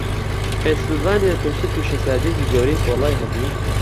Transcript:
پێنسیلڤانیا پێشتر پیشەسازییەکی گەورەی پۆڵای هەبوو.